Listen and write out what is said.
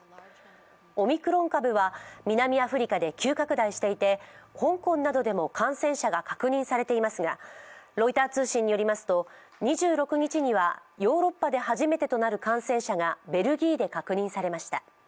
オミクロン株は、南アフリカで急拡大していて香港などでも感染者が確認されていますがロイター通信によりますと、２６日にはヨーロッパで初めてとなる感染者がベルギーで確認されました。